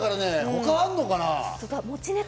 他あんのかな？